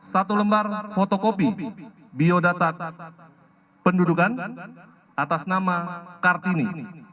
satu lembar fotokopi biodatat pendudukan atas nama kartini